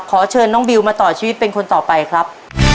ขอเชิญน้องบิวมาต่อชีวิตเป็นคนต่อไปครับ